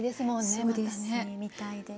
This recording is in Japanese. そうですね見たいです。